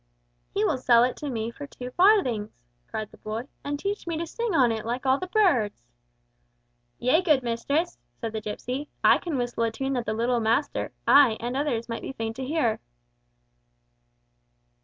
"He will sell it to me for two farthings," cried the boy, "and teach me to sing on it like all the birds—" "Yea, good mistress," said the gipsy, "I can whistle a tune that the little master, ay, and others, might be fain to hear."